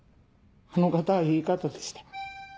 あの方はいい方でした。